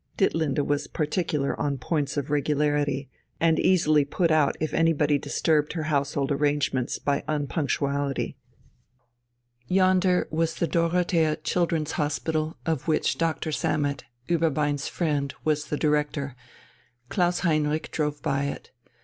Ditlinde was particular on points of regularity, and easily put out if anybody disturbed her household arrangements by unpunctuality. Yonder was the Dorothea Children's Hospital of which Doctor Sammet, Ueberbein's friend, was the Director; Klaus Heinrich drove by it.